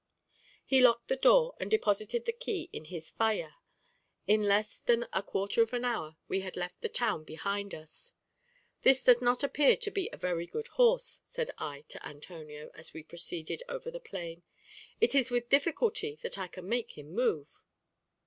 He locked the door, and deposited the key in his faja. In less than a quarter of an hour we had left the town behind us. "This does not appear to be a very good horse," said I to Antonio, as we proceeded over the plain: "it is with difficulty that I can make him move."